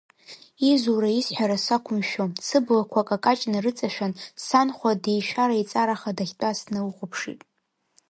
Изура-исҳәара сақәымшәо, сыблақәа акакаҷ нарыҵашәан, санхәа деишәара-еиҵараха дахьтәаз сналыхәаԥшит.